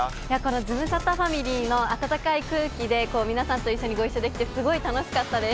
ズムサタファミリーの温かい空気で、皆さんと一緒にご一緒できてすごい楽しかったです。